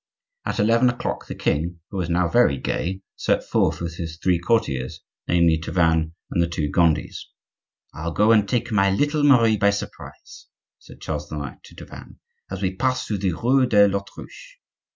About eleven o'clock the king, who was now very gay, set forth with his three courtiers,—namely, Tavannes and the two Gondis. "I'll go and take my little Marie by surprise," said Charles IX. to Tavannes, "as we pass through the rue de l'Autruche."